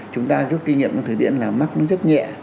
chúng ta giúp kinh nghiệm thực tiễn là mắc rất nhẹ